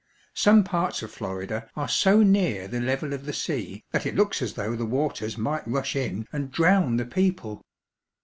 Some parts of Florida are so near the level of the sea that it looks as though the waters might rush in and drown the people.